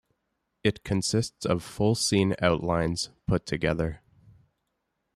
It consists of full-scene outlines put together.